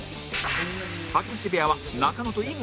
吐き出し部屋は中野と井口